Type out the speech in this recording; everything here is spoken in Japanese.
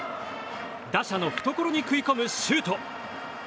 打者の懐に食い込むシュート。